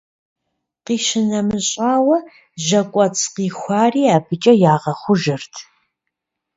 Къищынэмыщӏауэ, жьэкӏуэцӏ къихуари абыкӏэ ягъэхъужырт.